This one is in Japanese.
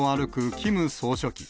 キム総書記。